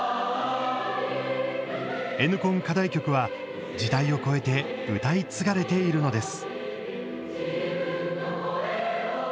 Ｎコン課題曲は時代を超えて歌い継がれているのです